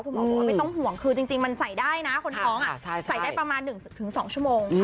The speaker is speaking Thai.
บอกว่าไม่ต้องห่วงคือจริงมันใส่ได้นะคนท้องใส่ได้ประมาณ๑๒ชั่วโมง